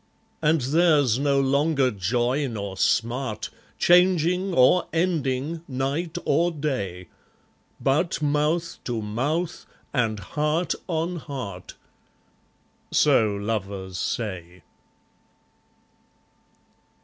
And theirs no longer joy nor smart, Changing or ending, night or day; But mouth to mouth, and heart on heart, So lovers say.